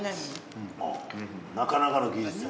なかなかの技術や。